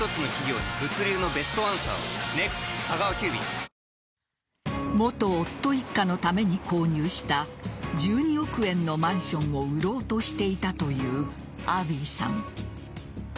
このとき名義人である元夫の父親と元夫一家のために購入した１２億円のマンションを売ろうとしていたというアビーさん。